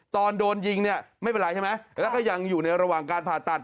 ตอนโดนยิงเนี่ยไม่เป็นไรใช่ไหมแล้วก็ยังอยู่ในระหว่างการผ่าตัด